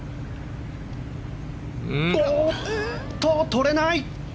取れない！